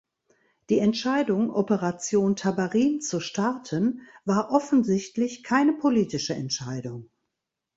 Die Entscheidung, "Operation Tabarin" zu starten, war offensichtlich keine politische Entscheidung.